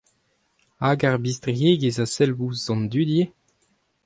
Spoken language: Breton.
Hag ar bistriegezh a sell ouzh an dud ivez ?